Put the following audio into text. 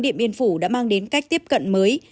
điện biên phủ đã mang đến cách tiếp cận mới